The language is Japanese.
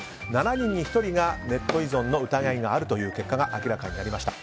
７人に１人がネット依存の疑いがあるという結果が明らかになりました。